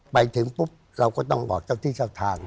ไปถึงปุ๊บเราก็ต้องบอกเจ้าที่เจ้าทาง